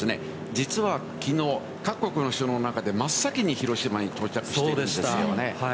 実はきのう各国の首脳の中で、真っ先に広島に到着していましたね。